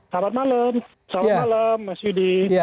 selamat malam mas yudi